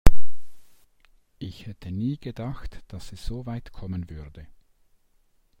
Ich hätte nie gedacht, dass es so weit kommen würde.